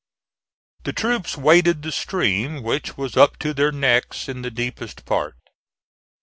The troops waded the stream, which was up to their necks in the deepest part.